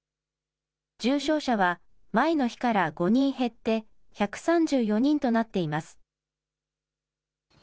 重症者は前の日から５人減って１３４人となっています。